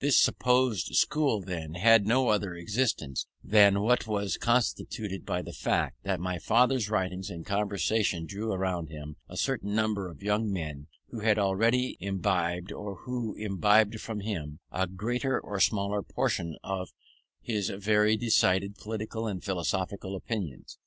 This supposed school, then, had no other existence than what was constituted by the fact, that my father's writings and conversation drew round him a certain number of young men who had already imbibed, or who imbibed from him, a greater or smaller portion of his very decided political and philosophical opinions.